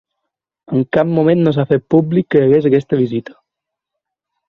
En cap moment no s’ha fet públic que hi hagués aquesta visita.